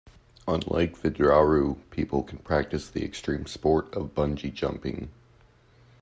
On Lake Vidraru, people can practice the extreme sport of bungee jumping.